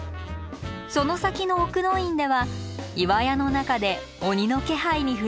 その先の奥の院では岩屋の中で鬼の気配に触れます。